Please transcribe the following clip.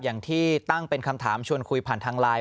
อย่างที่ตั้งเป็นคำถามชวนคุยผ่านทางไลน์